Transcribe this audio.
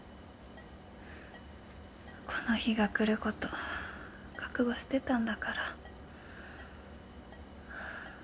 この日が来ること覚悟してたんだから。